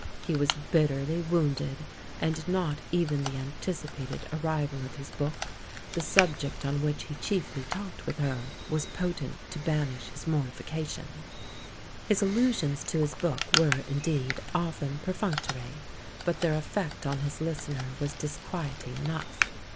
He was bitterly wounded, and not even the anticipated arrival of his book — the sub ject on which he chiefly talked with her — ^was potent to banish his mortification. His allusions to his book were, indeed, often perfunctory; but their effect on his listener was disquieting enough.